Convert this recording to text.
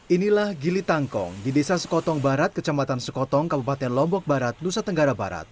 inilah gili tangkong di desa sekotong barat kecamatan sekotong kabupaten lombok barat nusa tenggara barat